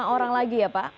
lima orang lagi ya pak